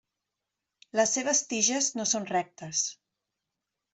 Les seves tiges no són rectes.